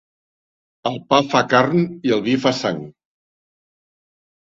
El pa fa carn i el vi fa sang.